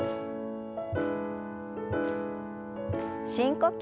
深呼吸。